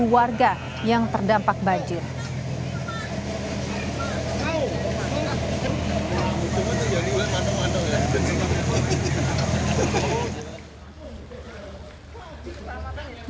dua puluh warga yang terdampak banjir hai kau hai bangun jadi udah mantap mantap ya